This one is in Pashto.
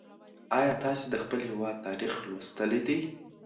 ایا تاسې د خپل هېواد تاریخ لوستلی دی؟